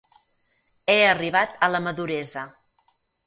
He arribat a la maduresa.